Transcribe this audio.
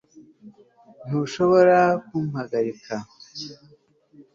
ntushobora kumpagarika